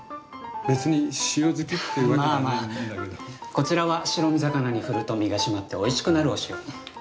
こちらは白身魚に振ると身が締まっておいしくなるお塩。